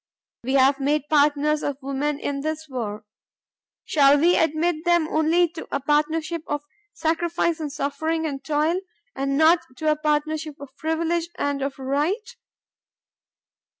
We have made partners of the women in this war; shall we admit them only to a partnership of sacrifice and suffering and toil and not to a partnership of privilege and of right?